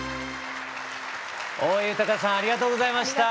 大江裕さんありがとうございました。